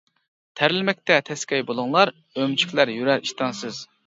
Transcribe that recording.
تەرلىمەكتە تەسكەي بۇلۇڭلار، ئۆمۈچۈكلەر يۈرەر ئىشتانسىز.